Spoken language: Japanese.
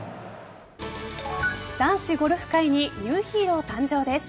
男子ゴルフ界にニューヒーロー誕生です。